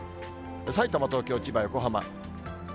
さいたま、東京、千葉、横浜。